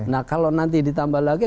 nah kalau nanti ditambah lagi